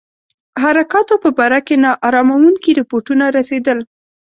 حرکاتو په باره کې نا اراموونکي رپوټونه رسېدل.